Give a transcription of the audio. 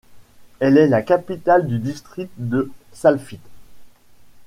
Elle est la capitale du district de Salfit.